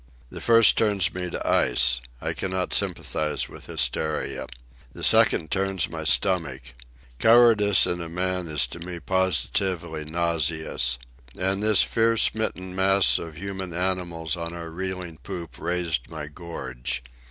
The first turns me to ice. I cannot sympathize with hysteria. The second turns my stomach. Cowardice in a man is to me positively nauseous. And this fear smitten mass of human animals on our reeling poop raised my gorge.